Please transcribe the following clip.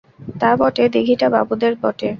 তা বটে, দিঘিটা বাবুদের বটে।